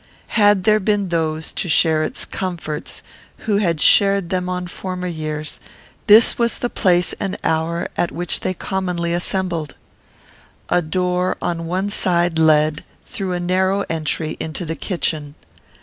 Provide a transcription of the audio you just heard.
Had there been those to share its comforts who had shared them on former years, this was the place and hour at which they commonly assembled. A door on one side led, through a narrow entry, into the kitchen.